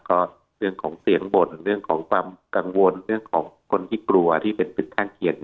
ก็เรื่องของเสียงบ่นเรื่องของความกังวลเรื่องของคนที่กลัวที่เป็นตึกข้างเคียง